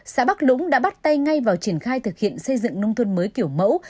xã bắc lũng đã bắt tay ngay vào triển khai thực hiện xây dựng nông thôn mới kiểu mẫu